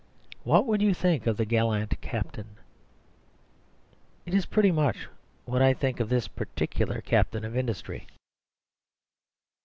What would you think of the gallant captain? It is pretty much what I think of this particular captain of industry.